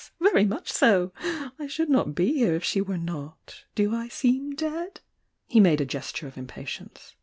Very much so! I should not be here if she were not. Do I seem dead?" He made a gesture of impatience.